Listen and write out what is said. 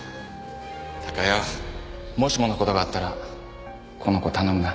貴代もしもの事があったらこの子頼むな。